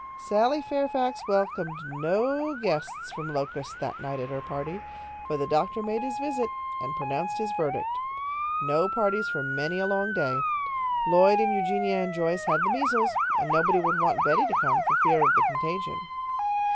'" Sally Fairfax welcomed no guests from Locust that night at her party, for the doctor made his visit and pronounced his verdict. No parties for many a long day. Lloyd and Eugenia and Joyce had the measles, and nobody would want Betty to come for fear of the contagion.